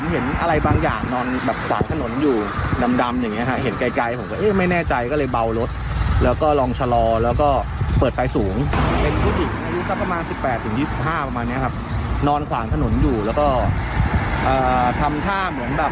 ไปดูบรรยากาศค่ะ